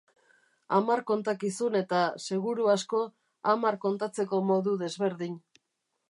Hamar kontakizun eta, seguru asko, hamar kontatzeko modu desberdin.